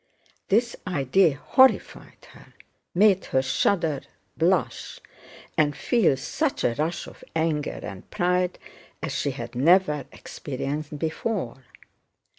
This idea horrified her, made her shudder, blush, and feel such a rush of anger and pride as she had never experienced before.